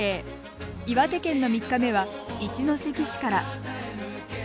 岩手県の３日目は一関市から。